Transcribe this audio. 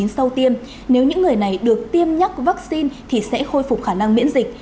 sau tiêm nếu những người này được tiêm nhắc vaccine thì sẽ khôi phục khả năng miễn dịch